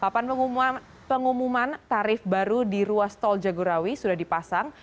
papan pengumuman tarif baru di ruas tol jagorawi sudah dipasang